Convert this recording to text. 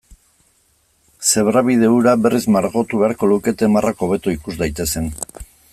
Zebrabide hura berriz margotu beharko lukete marrak hobeto ikus daitezen.